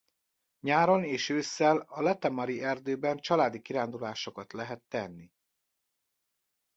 Nyáron és ősszel a Latemari-erdőben családi kirándulásokat lehet tenni.